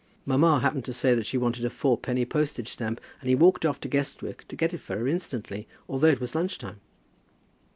Mamma happened to say that she wanted a four penny postage stamp, and he walked off to Guestwick to get it for her instantly, although it was lunch time."